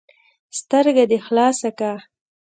ـ سترګه دې خلاصه که.